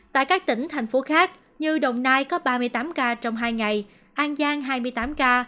tại các tỉnh thành phố khác như đồng nai có ba mươi tám ca trong hai ngày an giang hai mươi tám ca